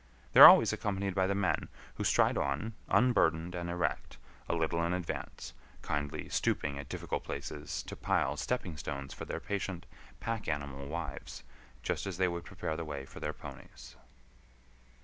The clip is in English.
They are always accompanied by the men, who stride on, unburdened and erect, a little in advance, kindly stooping at difficult places to pile stepping stones for their patient, pack animal wives, just as they would prepare the way for their ponies.